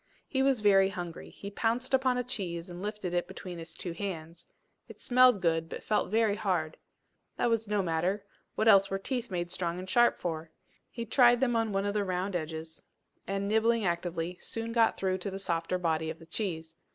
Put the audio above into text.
He was very hungry. He pounced upon a cheese and lifted it between his two hands; it smelled good, but felt very hard. That was no matter: what else were teeth made strong and sharp for? He tried them on one of the round edges, and, nibbling actively, soon got through to the softer body of the cheese.